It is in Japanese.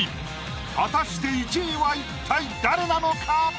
果たして１位は一体誰なのか？